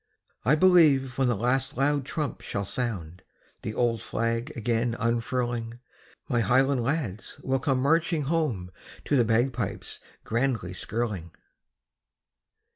I believe when the last loud trump shall sound, The old flag again unfurling, My highland lads will come marching home To the bagpipes grandly skirling.